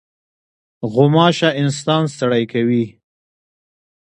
غوماشه انسان ستړی کوي.